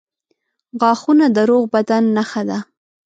• غاښونه د روغ بدن نښه ده.